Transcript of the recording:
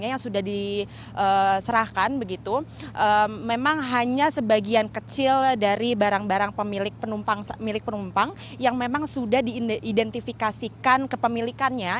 yang sudah diserahkan begitu memang hanya sebagian kecil dari barang barang milik penumpang yang memang sudah diidentifikasikan kepemilikannya